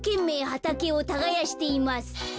はたけをたがやしています。